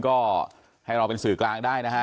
ก็ให้เราเป็นสื่อกลางได้นะฮะ